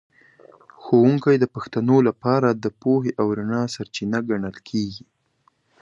ښوونکی د پښتنو لپاره د پوهې او رڼا سرچینه ګڼل کېږي.